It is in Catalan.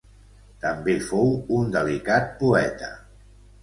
També fou un delicat poeta.